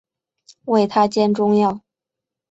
为她煎中药